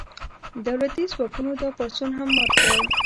دولتي ځواکونو دا پاڅون هم مات کړ.